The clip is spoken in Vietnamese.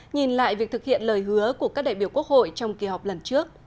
nhìn lại việc thực hiện lời hứa của các đại biểu quốc hội trong kỳ họp lần trước